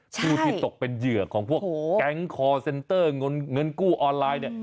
ผู้ที่ตกเป็นเหยื่อของพวกแก๊งคอร์เซ็นเตอร์เงินกู้ออนไลน์เนี่ย